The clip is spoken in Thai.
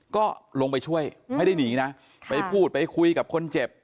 ก็ลงไปช่วยไม่ได้หนีนะไปพูดไปคุยกับคนเจ็บ